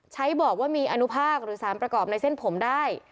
บอกว่ามีอนุภาคหรือสารประกอบในเส้นผมได้